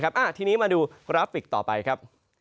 มาดูกราฟิกต่อไปครับ